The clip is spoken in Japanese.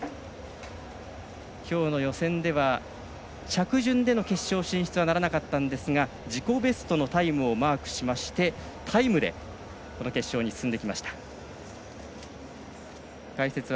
きょうの予選では着順での決勝進出はならなかったんですが自己ベストのタイムをマークしましてタイムで決勝に進んできました。